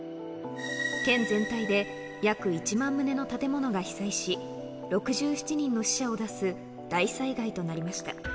県全体で約１万棟の建物が被災し、６７人の死者を出す大災害となりました。